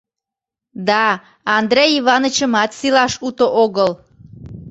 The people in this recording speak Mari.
Да Андрей Иванычымат сийлаш уто огыл.